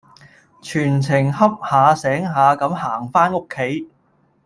全程恰下醒下咁行返屋企